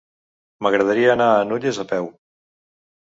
M'agradaria anar a Nulles a peu.